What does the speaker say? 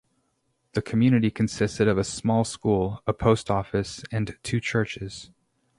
The community consisted of a small school, a post office and two churches.